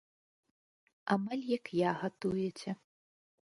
Амаль як я гатуеце.